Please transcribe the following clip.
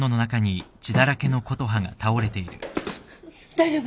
大丈夫？